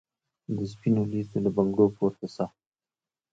د سپینو لېڅو له بنګړو پورته سه